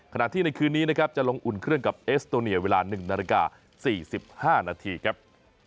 ในคืนนี้นะครับจะลงอุ่นเครื่องกับเอสโตเนียเวลา๑นาฬิกา๔๕นาทีครับ